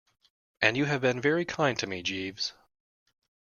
And you have been very kind to me, Jeeves.